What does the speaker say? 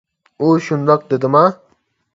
ئۇ شۇنداق دېدىما؟